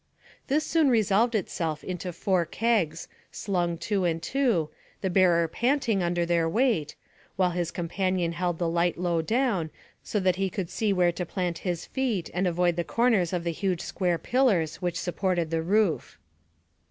This soon resolved itself into four kegs, slung two and two, the bearer panting under their weight, while his companion held the light low down, so that he could see where to plant his feet and avoid the corners of the huge square pillars which supported the roof.